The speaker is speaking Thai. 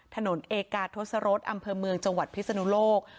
เอกาทศรษอำเภอเมืองจังหวัดพิศนุโลก